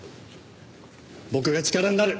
僕が力になる！